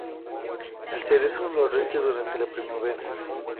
El cerezo florece durante la primavera.